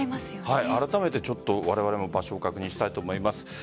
あらためてわれわれも場所を確認したいと思います。